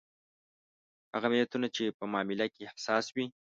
هغه ملتونه چې په معامله کې حساس وي.